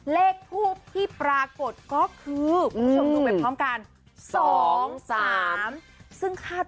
เลขทุบที่ปรากฏก็คือประชุมต้มเป็นพร้อมกัน